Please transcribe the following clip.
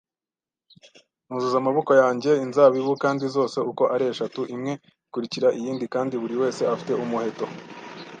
nuzuza amaboko yanjye inzabibu, kandi zose uko ari eshatu, imwe ikurikira iyindi, kandi buri wese afite umuheto,